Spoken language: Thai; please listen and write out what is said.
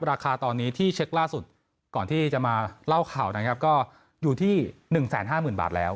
ราคาตอนนี้ที่เช็คล่าสุดก่อนที่จะมาเล่าข่าวนะครับก็อยู่ที่๑๕๐๐๐บาทแล้ว